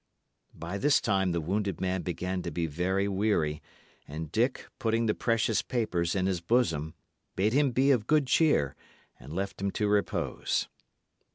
By this time the wounded man began to be very weary; and Dick, putting the precious papers in his bosom, bade him be of good cheer, and left him to repose.